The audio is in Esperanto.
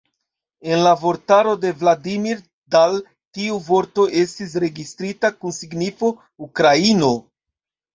En la vortaro de Vladimir Dal tiu vorto estis registrita kun signifo "ukraino".